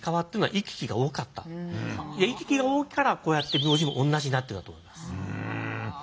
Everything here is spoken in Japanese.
行き来が多いからこうやって名字も同じになってるんだと思います。